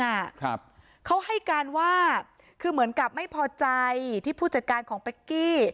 ครับเขาให้การว่าคือเหมือนกับไม่พอใจที่ผู้จัดการของเป๊กกี้